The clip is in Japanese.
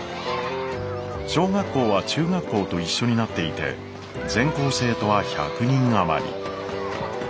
小学校は中学校と一緒になっていて全校生徒は１００人余り。